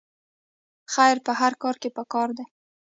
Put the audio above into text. خیر په هر کار کې پکار دی